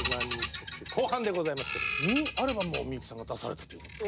特集後半でございますけどニューアルバムをみゆきさんが出されたということで。